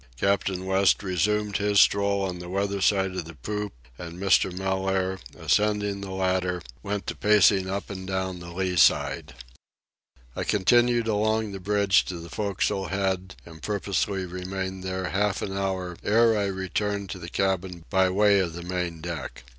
Captain West resumed his stroll on the weather side of the poop, and Mr. Mellaire, ascending the ladder, went to pacing up and down the lee side. I continued along the bridge to the forecastle head and purposely remained there half an hour ere I returned to the cabin by way of the main deck.